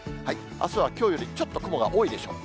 あすはきょうよりちょっと雲が多いでしょう。